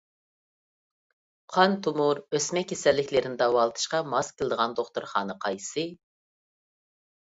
قان تومۇر، ئۆسمە كېسەللىكلىرىنى داۋالىتىشقا ماس كېلىدىغان دوختۇرخانا قايسى؟